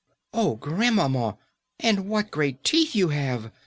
"Oh, grandmamma, and what great teeth you have!"